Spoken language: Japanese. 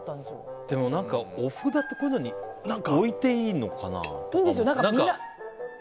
でも、お札ってこういうのに置いていいのかな。